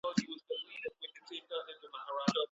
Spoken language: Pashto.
غږیز معلومات د ځینو لپاره اسانه وي.